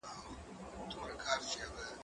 زه هره ورځ سبزیحات جمع کوم!؟